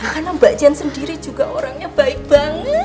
karena mbak j sendiri juga orangnya baik banget